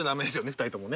２人ともね。